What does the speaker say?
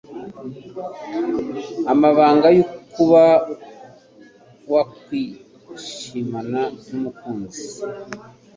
amabanga yokuba wakwishimana n'umukunzi